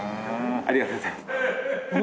ありがとうございます。